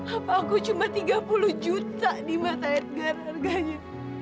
apa aku cuma tiga puluh juta di mata edgar harganya